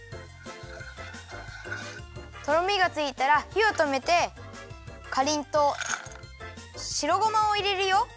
とろみがついたらひをとめてかりんとう白ごまをいれるよ。